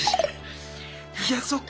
いやそっか。